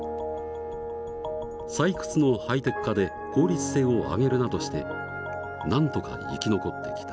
採掘のハイテク化で効率性を上げるなどしてなんとか生き残ってきた。